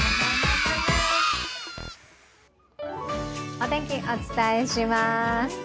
お天気、お伝えします。